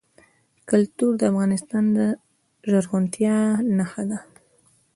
کلتور د افغانستان د زرغونتیا نښه ده.